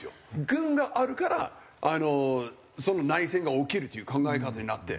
軍があるから内戦が起きるという考え方になって。